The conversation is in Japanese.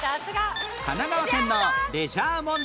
神奈川県のレジャー問題